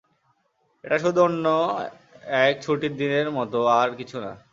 এটা শুধু অন্য এক ছুটির দিনের মাতো, আর কিছু না।